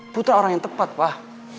putra orang yang tepat wah